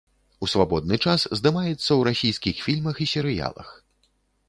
У свабодны час здымаецца ў расійскіх фільмах і серыялах.